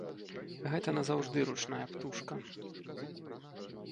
Гэта назаўжды ручная птушка.